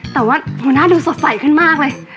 แต่ว่าหัวหน้าดูสดใสขึ้นมากเลย